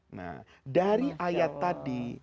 nah dari ayat tadi